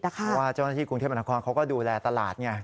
เพราะว่าเจ้าหน้าที่กรุงเทพบรรทักษณ์เขาก็ดูแลตลาด